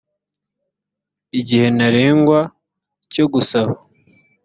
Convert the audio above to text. igihe ntarengwa cyo gusaba